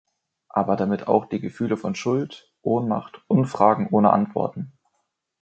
Aber damit auch die Gefühle von Schuld, Ohnmacht und Fragen ohne Antworten.